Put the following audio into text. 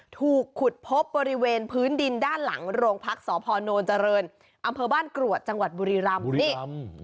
ถูกขุดพบบริเวณพื้นดินด้านหลังโรงพักษพนเจริญอำเภอบ้านกรวดจังหวัดบุรีรำนี่